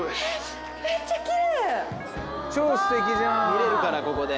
見れるからここで。